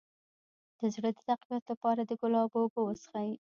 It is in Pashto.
د زړه د تقویت لپاره د ګلاب اوبه وڅښئ